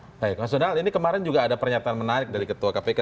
baik mas donald ini kemarin juga ada pernyataan menarik dari ketua kpk